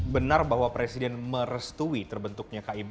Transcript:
benar bahwa presiden merestui terbentuknya kib